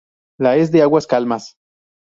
La es de aguas calmas.